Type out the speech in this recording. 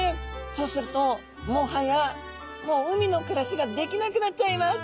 そうするともはやもう海の暮らしができなくなっちゃいます。